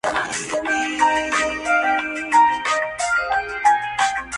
Ha jugado en los equipos Green Bay Packers y Pittsburgh Steelers.